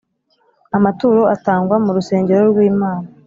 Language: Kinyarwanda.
Amaturo atangwa mu rusengero rw’Imana